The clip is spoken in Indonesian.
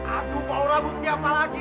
aduh pak lurah bukti apa lagi